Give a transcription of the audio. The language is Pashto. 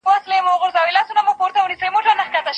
اوسنی نسل د تېرو پېښو په اړه لږ پوهېږي.